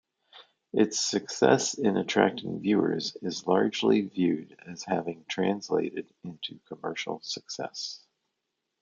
Its success in attracting viewers is largely viewed as having translated into commercial success.